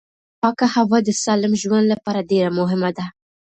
پاکه هوا د سالم ژوند لپاره ډېره مهمه ده